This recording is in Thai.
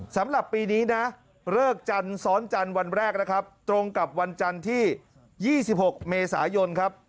สำหรับปีนี้นะเลิกจันทร์ซ้อนจันทร์วันแรกนะครับตรงกับวันจันทร์ที่๒๖เมษายนครับ